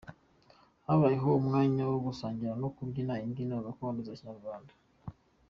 Habayeho umwanya wo gusangira no kubyina imbyino gakondo za Kinyarwanda.